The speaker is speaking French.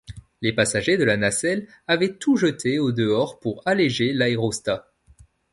Les passagers de la nacelle avaient tout jeté au dehors pour alléger l’aérostat.